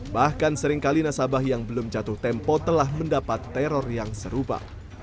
bahkan seringkali nasabah yang belum jatuh tempo telah mendapat teror yang serupa